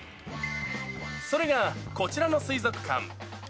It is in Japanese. それがこちらの水族館。